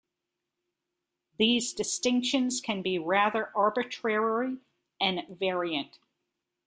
These distinctions can be rather arbitrary and variant.